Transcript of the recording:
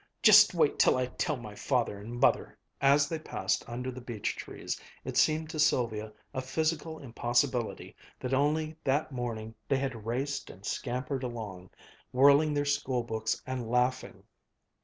Just wait till I tell my father and mother!" As they passed under the beech trees, it seemed to Sylvia a physical impossibility that only that morning they had raced and scampered along, whirling their school books and laughing.